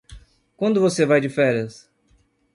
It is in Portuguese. Quando você vai de férias?